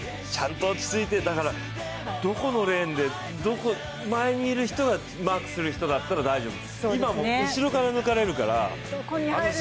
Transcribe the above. ちゃんと落ち着いてどこのレーンで前にいる人がマークする人だったら大丈夫。